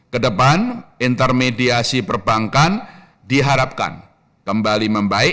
kedepan intermediasi perbankan diharapkan kembali membaik